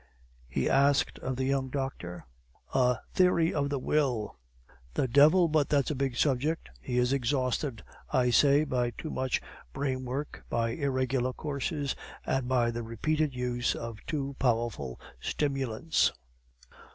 he asked of the young doctor. "A 'Theory of the Will,'" "The devil! but that's a big subject. He is exhausted, I say, by too much brain work, by irregular courses, and by the repeated use of too powerful stimulants.